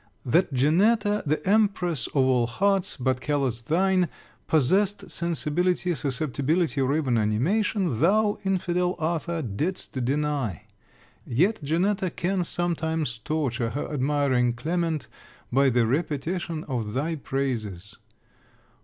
That Janetta, the Empress of all hearts, but callous thine, possessed sensibility, susceptibility, or even animation, thou, infidel Arthur, didst deny. Yet Janetta can sometimes torture her admiring Clement by the repetition of thy praises.